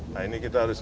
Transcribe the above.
nah ini kita harus